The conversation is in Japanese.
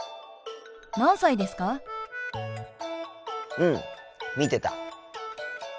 うん見てた。